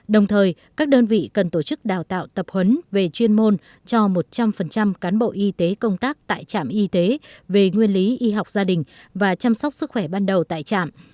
đồng thời các đơn vị cần tổ chức đào tạo tập huấn về chuyên môn cho một trăm linh cán bộ y tế công tác tại trạm y tế về nguyên lý y học gia đình và chăm sóc sức khỏe ban đầu tại trạm